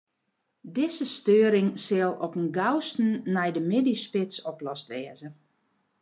Dizze steuring sil op 'en gausten nei de middeisspits oplost wêze.